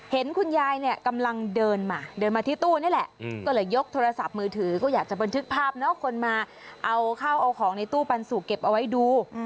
เห็นคุณยายเนี่ยกำลังเดินมาเดินมาที่ตู้นี่แหละก็เลยยกโทรศัพท์มือถือก็อยากจะบันทึกภาพเนาะคนมาเอาข้าวเอาของในตู้ปันสุกเก็บเอาไว้ดู